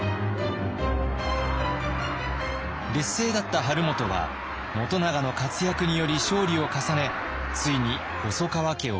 劣勢だった晴元は元長の活躍により勝利を重ねついに細川家を相続。